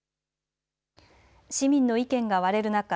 市民の意見が割れる中